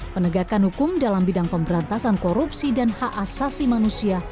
penegakan hukum dalam bidang pemberantasan korupsi dan hak asasi manusia